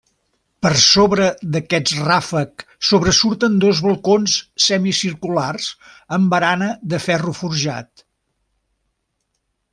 Per sobre d'aquest ràfec sobresurten dos balcons semicirculars amb barana de ferro forjat.